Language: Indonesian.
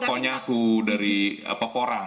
pokoknya aku dari peporang